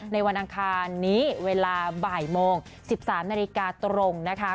วันอังคารนี้เวลาบ่ายโมง๑๓นาฬิกาตรงนะคะ